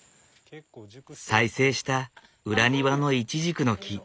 再生した裏庭のイチジクの木。